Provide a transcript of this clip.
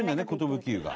寿湯が。